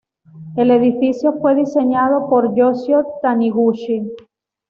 El edificio fue diseñado por Yoshio Taniguchi.